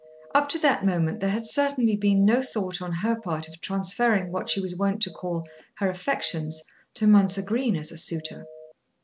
Up to that moment there had certainly been no thought on her part of transferring what she was wont to call her affections to Mounser Green as a suitor.